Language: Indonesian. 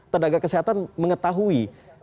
tenaga kesehatan mengetahui